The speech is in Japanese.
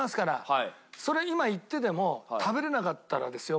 それ今言ってても食べられなかったらですよ